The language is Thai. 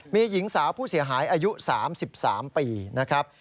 มีหญิงสาวผู้เสียหายอายุ๓๓ปีนะครับ